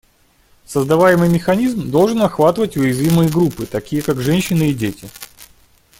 Создаваемый механизм должен охватывать уязвимые группы, такие как женщины и дети.